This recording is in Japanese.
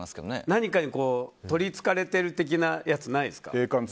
何かに取りつかれてるみたいなやつ、ないですか。